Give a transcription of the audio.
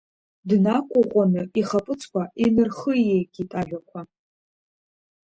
Днақәыӷәӷәаны ихаԥыцқәа инырхиегит ажәақәа.